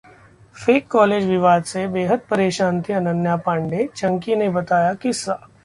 fake college विवाद से बेहद परेशान थीं अनन्या पांडे, चंकी ने बताया किस्सा